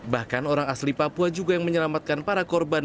bahkan orang asli papua juga yang menyelamatkan para korban